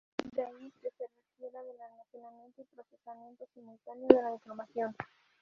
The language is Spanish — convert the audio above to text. De ahí que se requiera del almacenamiento y procesamiento simultáneo de la información.